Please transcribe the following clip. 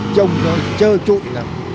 trông nó trơ trội lắm